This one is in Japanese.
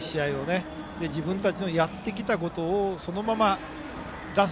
そして自分たちのやってきたことをそのまま出す。